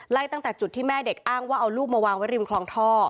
ไล่ตั้งแต่จุดที่แม่เด็กอ้างว่าเอาลูกมาวางไว้ริมคลองท่อ